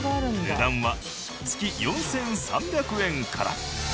値段は月４３００円から。